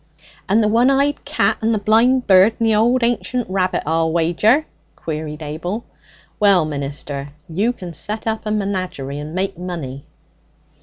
'And the one eyed cat and the blind bird and the old ancient rabbit, I'll wager!' queried Abel. 'Well, minister, you can set up a menagerie and make money.'